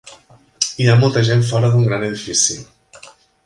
Hi ha molta gent fora d'un gran edifici.